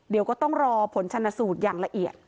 เดี๋ยวก็ต้องรอผลชนสูตรอย่างละเอียด